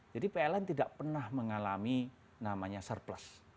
jadi pln tidak pernah mengalami namanya surplus